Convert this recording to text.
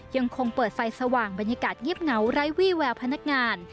ยังคงเปิดไฟสว่างบรรยากาศเงียบเหงาไร้วี่แววพนักงาน